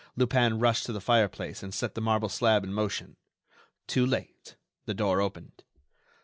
Lupin rushed to the fireplace and set the marble slab in motion.... Too late! The door opened.